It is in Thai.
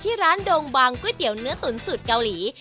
ที่ร้านดงบางก๋วยเตี๋ยวเนื้อตุ๋นสูตรเกาหลี